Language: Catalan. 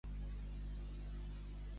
Com va morir Dominguito?